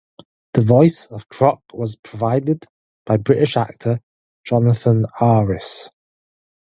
The voice of Croc was provided by British actor Jonathan Aris.